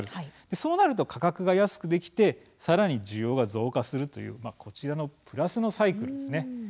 そうなると価格が安くできてさらに需要が増加するというこちらのプラスのサイクルですね。